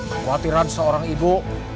kekhawatiran seorang ibu